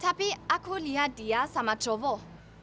tapi aku niat dia sama cowok